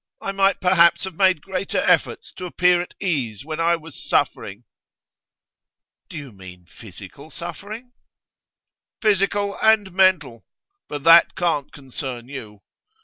I might perhaps have made greater efforts to appear at ease when I was suffering.' 'Do you mean physical suffering?' 'Physical and mental. But that can't concern you.